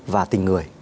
và tình người